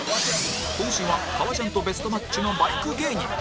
今週は革ジャンとベストマッチのバイク芸人